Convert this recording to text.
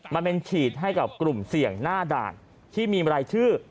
มันเป็นฉีดให้กับกลุ่มเสี่ยงหน้าด่านที่มีรายชื่อ